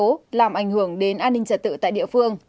cứu giật vé số làm ảnh hưởng đến an ninh trật tự tại địa phương